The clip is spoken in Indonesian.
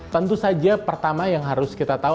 tentu saja pertama yang harus kita tahu